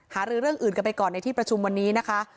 หารือเรื่องอื่นกันไปก่อนในที่ประชุมวันนี้นะคะ